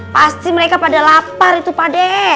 pasti mereka pada lapar itu pak de